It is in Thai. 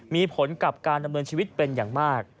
มีผลกับการดำเนินชีวิตเป็นอย่างมาก